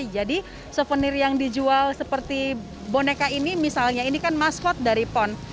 jadi suvenir yang dijual seperti boneka ini misalnya ini kan maskot dari pon